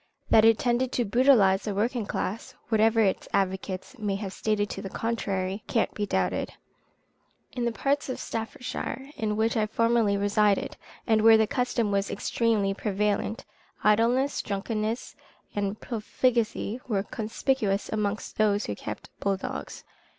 That it tended to brutalize the working classes, whatever its advocates may have stated to the contrary, cannot be doubted. In the part of Staffordshire in which I formerly resided, and where the custom was extremely prevalent, idleness, drunkenness and profligacy, were conspicuous amongst those who kept bull dogs.